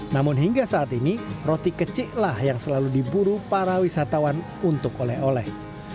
namun hingga saat ini roti keciklah yang selalu diburu para wisatawan untuk oleh oleh